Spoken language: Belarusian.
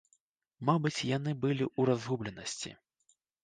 Мабыць, яны былі ў разгубленасці.